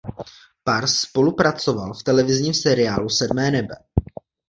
Pár spolu pracoval v televizním seriálu "Sedmé nebe".